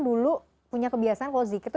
dulu punya kebiasaan kalau zikir itu